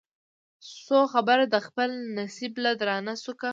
سو خبر د خپل نصیب له درانه سوکه